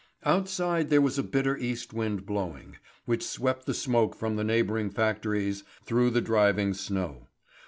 Outside there was a bitter east wind blowing, which swept the smoke from the neighbouring factories through the driving snow.